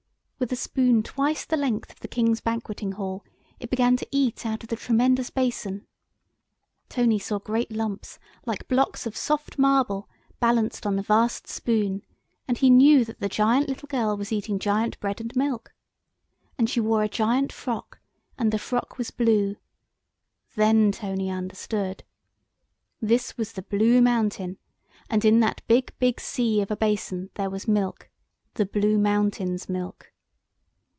With a spoon twice the length of the King's banqueting hall, it began to eat out of the tremendous basin. Tony saw great lumps, like blocks of soft marble, balanced on the vast spoon, and he knew that the giant little girl was eating giant bread and milk. And she wore a giant frock, and the frock was blue. Then Tony understood. This was the "Blue Mountain," and in that big big sea of a basin there was milk—the Blue Mountain's milk.